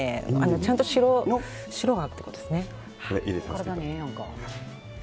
ちゃんと白あんってことですね。